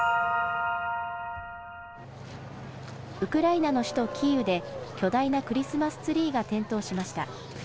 ウクライナの首都キーウで巨大なクリスマスツリーが点灯しました。